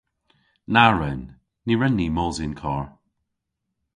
Na wren! Ny wren ni mos yn karr.